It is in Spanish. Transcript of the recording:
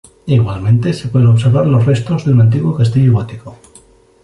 Igualmente se pueden observar los restos de un antiguo castillo gótico.